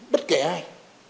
bất kể ai